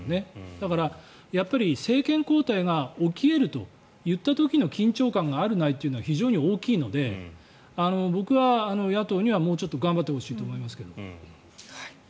だから、やっぱり政権交代が起き得るといった時の緊張感がある、ないというのは非常に大きいので僕は野党にはもうちょっと頑張ってほしいと思いますけど。